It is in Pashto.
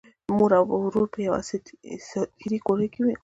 مور او ورور په یوه اساطیري کور کې ويني.